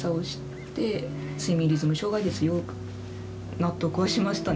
納得はしましたね。